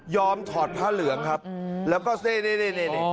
ถอดผ้าเหลืองครับแล้วก็เซนี่